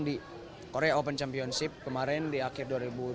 di korea open championship kemarin di akhir dua ribu tujuh belas